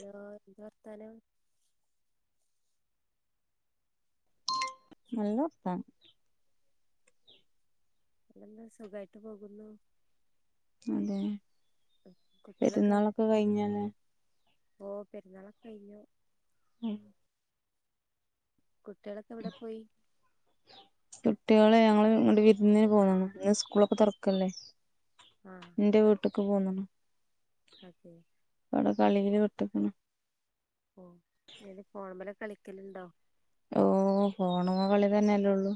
Hello എന്താ വർത്താനം നല്ല വർത്താനം. പിന്നെന്താ സുഖായിട്ട് പോകുന്നു. അതെ. കുട്ട്യേളൊക്കെ [unintelligible] പെരുന്നാളൊക്കെ കഴിഞ്ഞല്ലേ ഓ പെരുന്നാളൊക്കെ കഴിഞ്ഞു. ഉം. കുട്ട്യേളൊക്കെ എവിടെ പോയി. കുട്ട്യേള് ഞങ്ങള് ഇങ്ങട് വിരുന്നിന് പോകന്നതാ. ഇന്ന് സ്കൂളൊക്കെ തൊറപക്കല്ലേ. ആഹ്. ഇന്റെ വീട്ട്ക്ക് പോന്ന്ണ്. അതെ. ഇവടെ കളീല് പേട്ട്ക്ക്ണ്. ഓ ഇത് ഫോണമെലൊക് കളിക്കല്ണ്ടോ? ഓഹ് ഫോണമ്മെ കളി തന്നെയല്ലേള്ളൂ.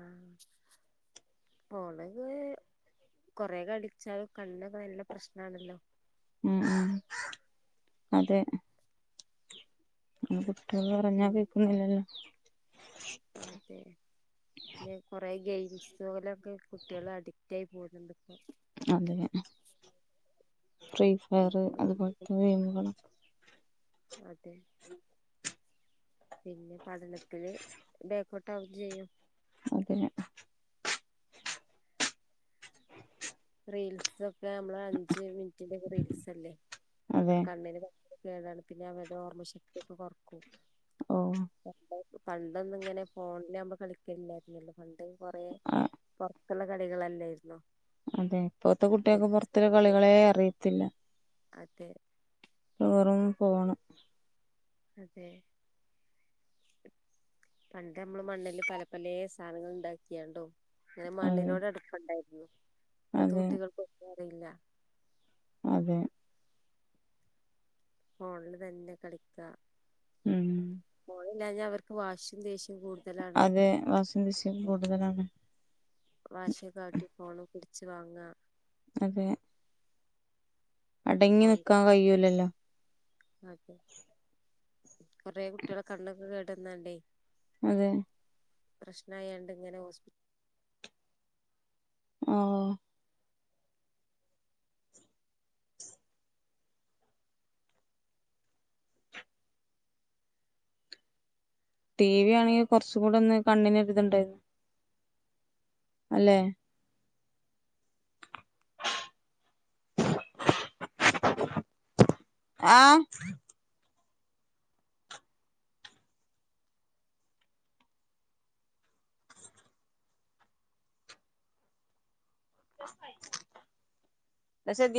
ആഹ്. ഫോണില് കൊറേ കളിച്ചാൽ കണ് ക്കെ നല്ല പ്രശ്നാണല്ലോ. ഉം ഉം അതെ. എ കുട്ട്യേള് പറഞ്ഞാ പിൻ കേക്കുന്നില്ലല്ലോ. അതെ പിന്നെ കൊറെ ഗൈസ്ലൊക്കെ. കുട്ട്യേള് അഡിക്റ്റായി.. പോകുന്നുണ്ട് ഇപ്പോ. അതെ. ഫ്രീ ഉം, ഫയർ അതുപോലത്തെ ഉം, ഗെയിമുകള. അതെ. പിന്നെ പഠനത്തില് ബേക്കോടട്ട് ആകും ചെയ്യും. അതെ. റീൽസ് ഒക്കെ നമ്മള് അഞ്ച് മിൻറ്റിന്റെ റീൽസ് അല്ലേ അതെ കണ്ണിന്. കേടാണ്. പിന്നെ അവരുടെ ഓർമ്മ ശക്തിയൊക്കെ കുറക്കും. ഓഹ്. പണ്ടൊന്നും ഇങ്ങനെ ഫോണില് കളി ക്കല്ലായിരുന്നല്ലോ പണ്ട് കൊറേ. ആ നല്ല കളികല്ലെയിരുന്നു. അതെ ഇപ്പോത്തെ കുട്ടികക്കെ പോറത്ത്ള്ള കളികളെ അറിയത്തില്ല. അതെ. വെറും ഫോണ്. അതെ പണ്ട് നമ്മള് മണ്ണില് പല പലെ സാധനങ്ങൾ ഉണ്ടാക്കിയണ്ടോ ഇങ്ങനെ അതെ മണ്ണിനോട് അ ട്പ്ണ്ടായിര്ന്ന മഇപ്പത്തെ അതെ കുട്ടികൾക് ഒന്നു അറിയില്ല അതെ ഫോണില് തന്നെ കളിക്ക. ഉം ഫോണില്ല ഞ്ഞാ, അവർക്ക് വാ ശിം. ദേശ്യം കൂടും. അതെ വാശിയും ദേശ്യവും കൂടു തലാണ്. വാശി കാട്ടി ഫോണു പിടിച്ചു വാങ്ങ. അതെ അടങ്ങി ഫോണിന്റെ നിക്കാൻ കഴിയൂല ല്ലോ? അതെ, കെറെ കുട്ടികളെ കണ്ണൊക്ക കേട്ന്ന ണ്ടേ. അതെ പ്രശ്നയണ്ട് ഇങ്ങനെ ഹോസ്പി ഓ ടി വി ആണെങ്കി, കുറച്ചു കൂട ഒന്ന് കണ്ണിന് ഒരു ഇത് ണ്ടെന്നു. അല്ലെ ആഹ് [inaudible]